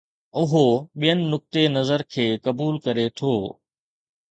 اهو ٻين نقطي نظر کي قبول ڪري ٿو.